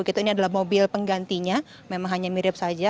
ini adalah mobil penggantinya memang hanya mirip saja